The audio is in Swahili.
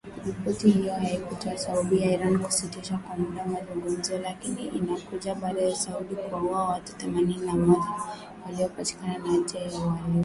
Ripoti hiyo haikutoa sababu ya Iran kusitisha kwa muda mazungumzo, lakini inakuja baada ya Saudi kuwaua watu themanini na mmoja waliopatikana na hatia ya uhalifu.